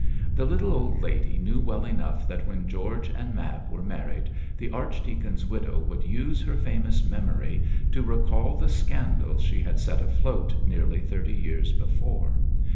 The little old lady knew well enough that when George and Mab were married, the archdeacon's widow would use her famous memory to recall the scandals she had set afloat nearly thirty years before.